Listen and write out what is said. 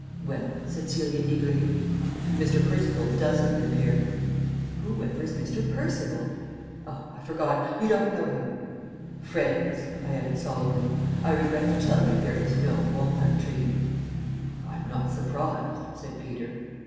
"Well?" said Celia eagerly. "Mr. Percival doesn't live there." "Whoever's Mr. Percival?" "Oh, I forgot; you don't know him. Friends," I added solemnly, "I regret to tell you there is no walnut tree." "I am not surprised," said Peter.